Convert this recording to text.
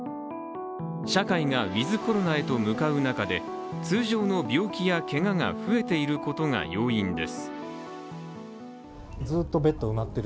社会がウィズ・コロナへと向かう中で通常の病気やけがが増えていることが要因です。